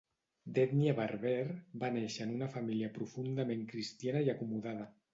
D'ètnia berber, va néixer en una família profundament cristiana i acomodada.